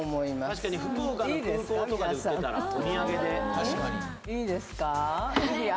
確かに福岡の空港とかで売ってたらお土産でいいですか？